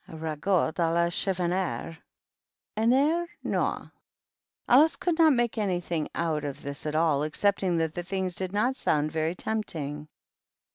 Ragout a la chiffonniere. {Mitre nous.) Alice could not make anything out of this at all, excepting that the things did not sound very tempting.